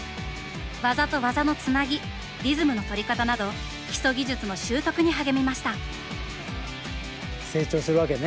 技と技のつなぎリズムの取り方など基礎技術の習得に励みました。